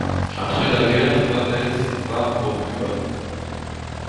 Après la guerre, Favez part pour Cuba.